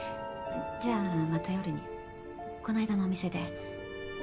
じゃあまた夜にこないだのお店で。